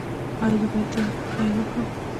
ایا زه باید پیل کړم؟